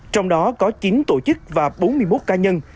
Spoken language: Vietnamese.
trong đó có chín tổ chức và bốn mươi một cá nhân